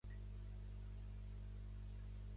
Sally Templer és una traductora nascuda a Barcelona.